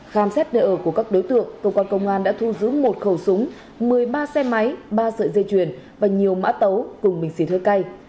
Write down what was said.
khám xét nơi ở của các đối tượng công an đã thu giữ một khẩu súng một mươi ba xe máy ba sợi dây chuyền và nhiều mã tấu cùng bình xì thơi cay